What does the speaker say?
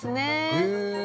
へえ。